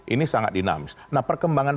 ini sangat dinamis nah perkembangan